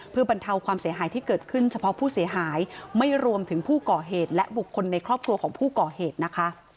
เพื่อบรรเทาความเสียหายที่เกิดขึ้นเฉพาะผู้เสียหายไม่รวมถึงผู้ก่อเหตุและบุคคลในครอบครัวของผู้ก่อเหตุนะคะ